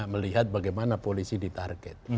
melihat bagaimana polisi di target